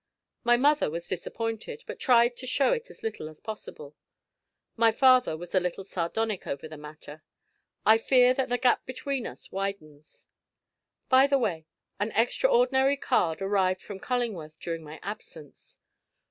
My mother was disappointed, but tried to show it as little as possible. My father was a little sardonic over the matter. I fear that the gap between us widens. By the way, an extraordinary card arrived from Cullingworth during my absence.